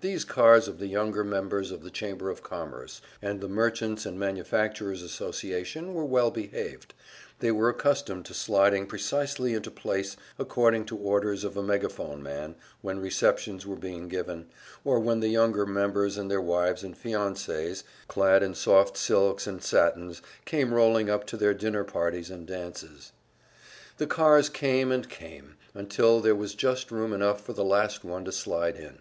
These cars of the younger members of the Chamber of Commerce and the Merchants' and Manufacturers' Association were well behaved they were accustomed to sliding precisely into place according to orders of a megaphone man, when receptions were being given, or when the younger members and their wives and fiancees, clad in soft silks and satins, came rolling up to their dinner parties and dances. The cars came and came, until there was just room enough for the last one to slide in.